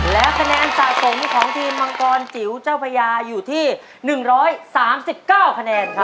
และคะแนนสะสมของทีมมังกรจิ๋วเจ้าพญาอยู่ที่๑๓๙คะแนนครับ